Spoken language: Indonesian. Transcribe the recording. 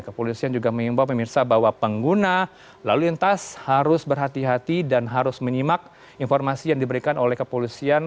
kepolisian juga mengimbau pemirsa bahwa pengguna lalu lintas harus berhati hati dan harus menyimak informasi yang diberikan oleh kepolisian